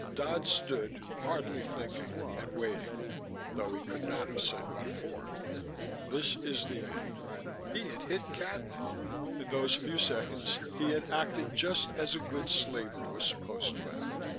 Dodd stood, hardly thinking, and waiting though he could not have said what for. This is the end. He had hit Cadnan: in those few seconds he had acted just as a good slaver was supposed to act.